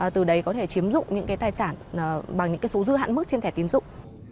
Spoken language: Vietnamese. từ đấy có thể chiếm dụng những cái tài sản bằng những cái số dư hạn mức trên thẻ tiến dụng